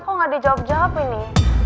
kok nggak dijawab jawab ini